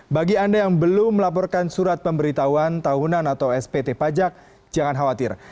bagi anda yang belum melaporkan surat pemberitahuan tahunan atau spt pajak jangan khawatir